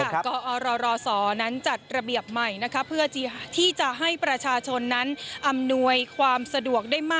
ค่ะก็รอรอรอสอนั้นจัดระเบียบใหม่นะครับ